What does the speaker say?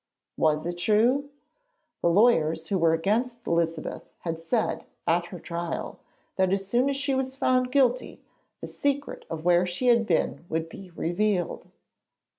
Was it true? The lawyers who were against Elizabeth said, at her trial, that as soon as she was found guilty, the secret of where she had been would be revealed.